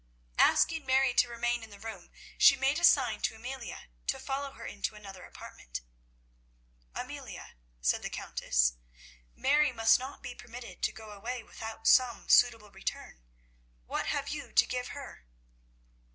Asking Mary to remain in the room, she made a sign to Amelia to follow her into another apartment. "Amelia," said the Countess, "Mary must not be permitted to go away without some suitable return. What have you to give her?"